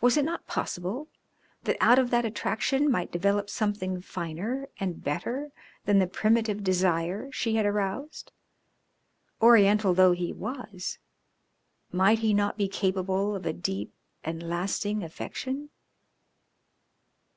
Was it not possible that out of that attraction might develop something finer and better than the primitive desire she had aroused? Oriental though he was, might he not be capable of a deep and lasting affection?